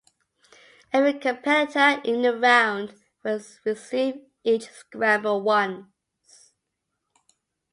Every competitor in the round will receive each scramble once.